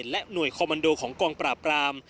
และหน่วยคอมมันโดของกองปราบราม